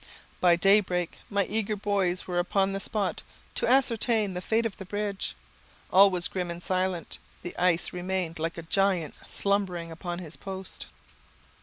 By daybreak my eager boys were upon the spot, to ascertain the fate of the bridge. All was grim and silent. The ice remained like a giant slumbering upon his post.